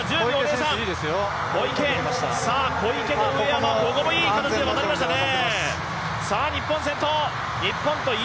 小池と上山、いい形で渡りましたね。